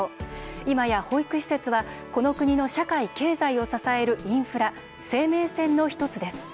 いまや、保育施設はこの国の社会・経済を支えるインフラ、生命線の一つです。